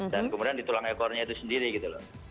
dan kemudian di tulang ekornya itu sendiri gitu loh